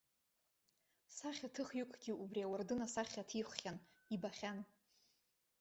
Сахьаҭыхҩыкгьы убри ауардын асахьа ҭиххьан, ибахьан.